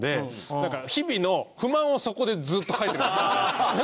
なんか日々の不満をそこでずっと書いてる。